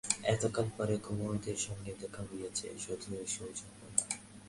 এতকাল পরে কুমুদের সঙ্গে দেখা হইয়াছে, শুধু এইজন্য নয়।